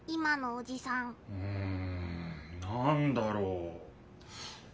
うんなんだろう？